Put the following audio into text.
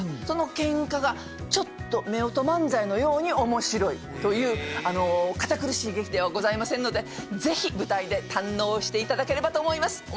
そのケンカがちょっと夫婦漫才のように面白いという堅苦しい劇ではございませんのでぜひ舞台で堪能していただければと思います